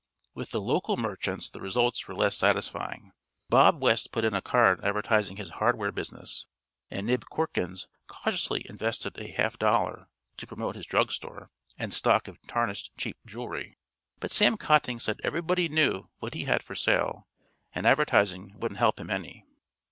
With the local merchants the results were less satisfying. Bob West put in a card advertising his hardware business and Nib Corkins cautiously invested a half dollar to promote his drug store and stock of tarnished cheap jewelry; but Sam Cotting said everybody knew what he had for sale and advertising wouldn't help him any.